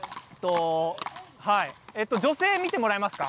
女性を見てもらえますか。